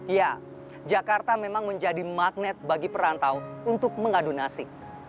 ya jakarta memang menjadi magnet bagi perantau untuk mengadu nasi